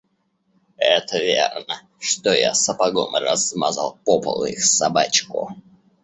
Это верно, что я сапогом размазал по полу их собачку.